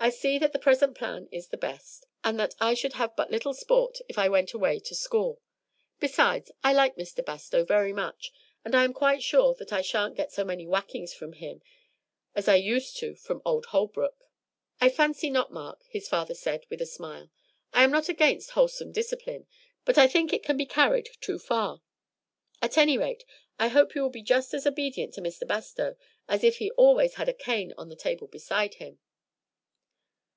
I see that the present plan is the best, and that I should have but little sport if I went away to school. Besides, I like Mr. Bastow very much, and I am quite sure that I shan't get so many whackings from him as I used to do from old Holbrook." "I fancy not, Mark," his father said with a smile. "I am not against wholesome discipline, but I think it can be carried too far; at any rate, I hope you will be just as obedient to Mr. Bastow as if he always had a cane on the table beside him."